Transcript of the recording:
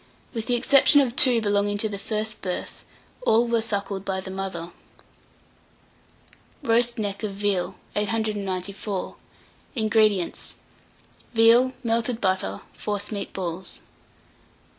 With the exception of two belonging to the first birth, all were suckled by the mother. ROAST NECK OF VEAL. 894. INGREDIENTS. Veal, melted butter, forcemeat balls.